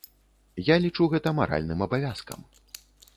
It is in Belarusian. Я лічу гэта маральным абавязкам.